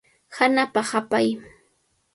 Hanapa hapay.